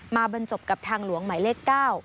บรรจบกับทางหลวงหมายเลข๙